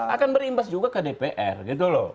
akan berimbas juga ke dpr gitu loh